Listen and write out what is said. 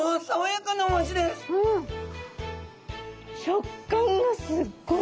食感がすっごい！